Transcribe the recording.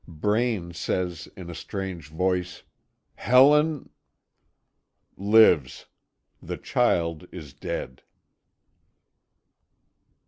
Braine says in a strange voice: "Helen " "Lives; the child is dead."